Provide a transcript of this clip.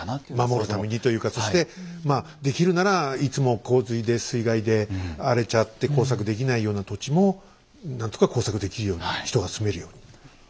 守るためにというかそしてできるならいつも洪水で水害で荒れちゃって耕作できないような土地も何とか耕作できるように人が住めるように。